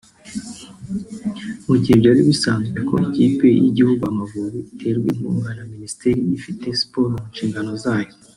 Mu gihe byari bisanzwe ko ikipe y'igihugu Amavubi iterwa inkunga na Minisiteri ifite Siporo mu nshingano zayo